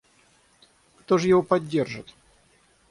Кто же его поддержит?